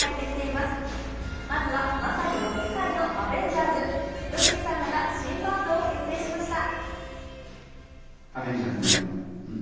まずはまさにロック界のアベンジャーズ、ＹＯＳＨＩＫＩさんらが新バンドを結成しました。